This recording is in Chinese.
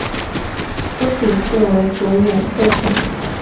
粗体字为主演作品